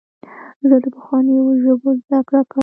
زه د پخوانیو ژبو زدهکړه کوم.